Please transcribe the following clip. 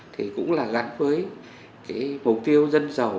thì cũng là gắn với mục tiêu dân giàu